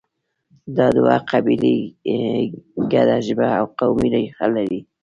دا دوه قبیلې ګډه ژبه او قومي ریښه لري.